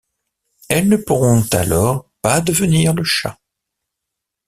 Elles ne pourront alors pas devenir le chat.